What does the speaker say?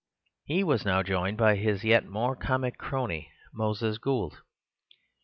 He was now joined by his yet more comic crony, Moses Gould.